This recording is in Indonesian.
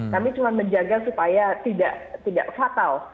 kami cuma menjaga supaya tidak fatal